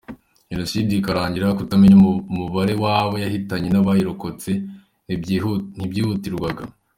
Jenoside ikirangira, kutamenya umubare w’abo yahitanye n’abayirokotse ntibyihutirwaga.